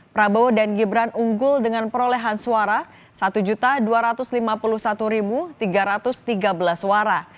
prabowo dan gibran unggul dengan perolehan suara satu dua ratus lima puluh satu tiga ratus tiga belas suara